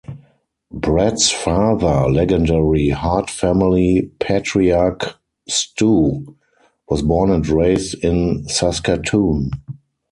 Bret's father, legendary Hart family patriarch Stu, was born and raised in Saskatoon.